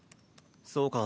そうか。